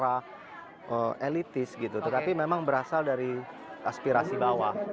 tidak ada cara elitis gitu tapi memang berasal dari aspirasi bawah